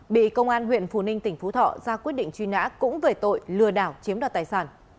bị công an huyện phù ninh tỉnh phú thọ ra quyết định truy nã cũng về tội lừa đảo chiếm đoạt tài sản